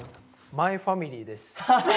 「マイファミリー」です。